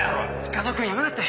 和男君やめなって！